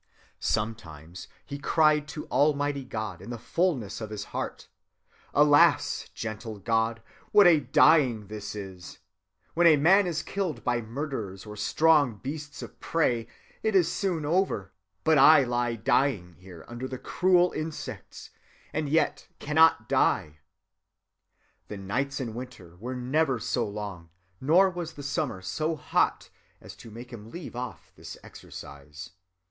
(182) Sometimes he cried to Almighty God in the fullness of his heart: Alas! Gentle God, what a dying is this! When a man is killed by murderers or strong beasts of prey it is soon over; but I lie dying here under the cruel insects, and yet cannot die. The nights in winter were never so long, nor was the summer so hot, as to make him leave off this exercise.